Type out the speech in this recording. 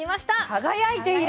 輝いている。